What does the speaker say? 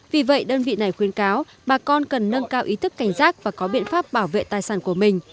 vì vậy đơn vị này khuyên cáo bà con cần nâng cao ý thức cảnh giác và có biện pháp bảo vệ tài sản của mình